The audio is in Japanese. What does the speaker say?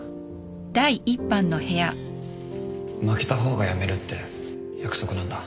負けた方が辞めるって約束なんだ